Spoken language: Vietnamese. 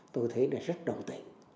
tôi thấy là rất đồng tĩnh